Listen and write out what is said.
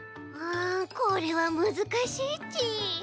これはむずかしいち。